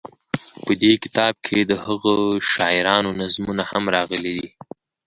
په دې کتاب کې دهغه شاعرانو نظمونه هم راغلي.